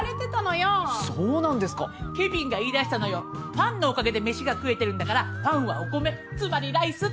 ファンのおかげで飯が食えてるんだからファンはお米つまりライスって。